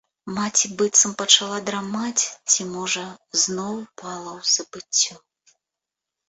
Маці быццам пачала драмаць ці, можа, зноў упала ў забыццё.